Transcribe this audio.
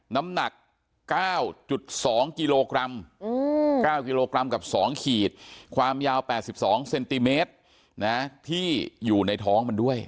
น้ำหนัก๙๒กิโลกรัม๙กิโลกรัมกับ๒ขีดความยาว๘๒เซนติเมตรที่อยู่ในท้องมันด้วย